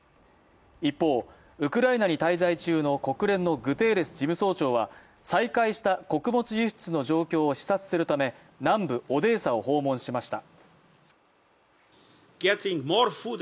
一方、ウクライナに滞在中の国連のグテーレス事務総長は再開した穀物輸出の状況を視察するため南部オデーサを訪問しました。